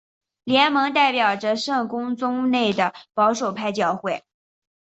联盟代表着圣公宗内的保守派教会。